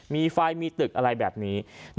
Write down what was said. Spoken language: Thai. มีไฟมีตึกอะไรแบบนี้